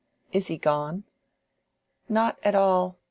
Is he gone?" "Not at all.